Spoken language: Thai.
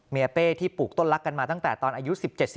เป้ที่ปลูกต้นรักกันมาตั้งแต่ตอนอายุ๑๗๑